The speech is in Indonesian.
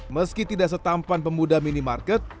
meski tidak setampan pemuda minimarket